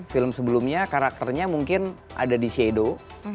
film sebelumnya karakternya mungkin ada di shadow